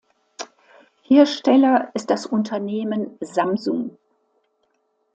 Hersteller ist das Unternehmen Samsung.